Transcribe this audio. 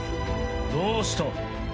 どうした？